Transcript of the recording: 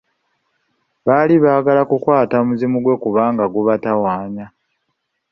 Baali baagala kukwata muzimu gwe kubanga gubatawaanya.